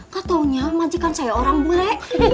gak taunya majikan saya orang bule